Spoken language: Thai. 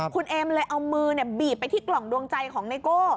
คุณเอมเลยเอามือบีบไปที่กล่องดวงใจของไนโก้